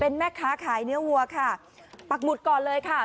แม่ค้าขายเนื้อวัวค่ะปักหมุดก่อนเลยค่ะ